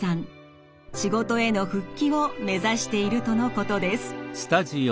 仕事への復帰を目指しているとのことです。